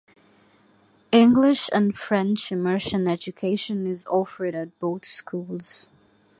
English and French immersion education is offered at both schools.